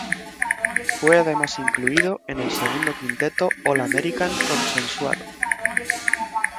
Fue además incluido en el segundo quinteto All-American consensuado.